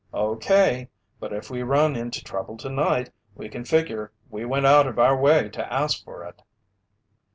"Okay, but if we run into trouble tonight, we can figure we went out of our way to ask for it."